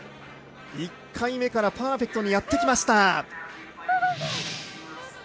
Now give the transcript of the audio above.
１回目からパーフェクトにやってきました。